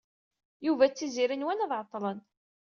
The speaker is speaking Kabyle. Yuba d Tiziri nwan ad ɛeṭṭlen.